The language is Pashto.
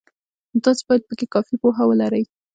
نو تاسې باید پکې کافي پوهه ولرئ.